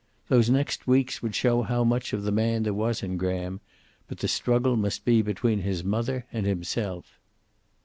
Those next weeks would show how much of the man there was in Graham, but the struggle must be between his mother and himself.